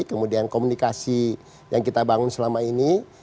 kemudian komunikasi yang kita bangun selama ini